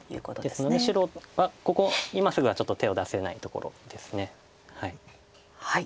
ですので白はここ今すぐはちょっと手を出せないところです。